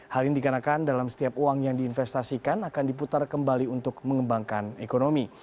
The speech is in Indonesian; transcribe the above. hal ini dikarenakan dalam setiap uang yang diinvestasikan akan diputar kembali untuk mengembangkan ekonomi